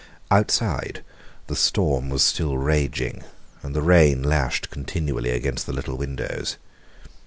Outside, the storm was still raging, and the rain lashed continually against the little windows.